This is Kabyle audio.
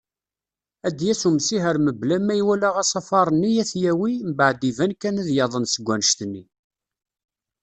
Ad d-yas umsiher mebla ma iwala asafar-nni, ad t-yawi, mbaɛd iban kan ad yaḍen seg wanect-nni.